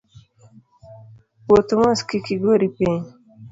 Wuoth mos kik igori piny